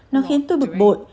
nó khiến tôi bực bội